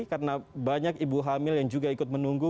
karena banyak ibu hamil yang juga ikut menunggu